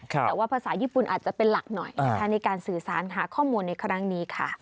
แต่ว่าภาษาญี่ปุ่นอาจจะเป็นหลักหน่อยนะคะในการสื่อสารหาข้อมูลในครั้งนี้ค่ะ